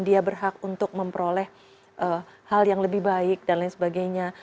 dia berhak untuk memperoleh hal yang lebih baik dan lain sebagainya